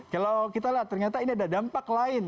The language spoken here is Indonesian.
kalau kita lihat ternyata ini ada dampak lain